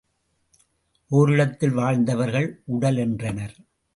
ஓரிடத்தில் வாழ்ந்தவர்கள் உடல் என்றனர்.